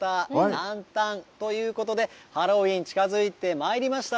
ランタンということでハロウィーン近づいてまいりました。